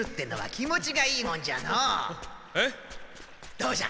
どうじゃ。